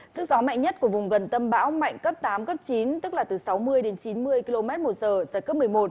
sức gió mạnh nhất của vùng gần tâm bão mạnh cấp tám cấp chín tức là từ sáu mươi đến chín mươi km một giờ giật cấp một mươi một